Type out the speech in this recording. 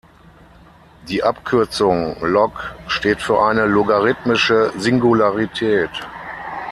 Die Abkürzung 'log' steht für eine logarithmische Singularität.